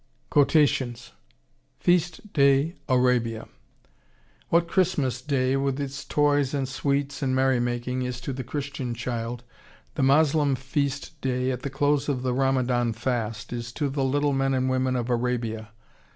QUOTATIONS FEAST DAY, ARABIA What Christmas Day, with its toys and sweets and merry making, is to the Christian child, the Moslem Feast Day, at the close of the Ramadhan Fast, is to the little men and women of Arabia.